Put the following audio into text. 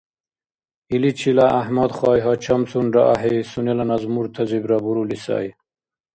Иличила ГӀяхӀмадхай гьачамцунра ахӀи сунела назмуртазибра бурули сай.